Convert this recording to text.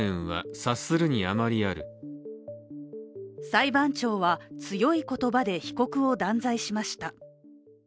裁判長は強い言葉で被告を断罪しました。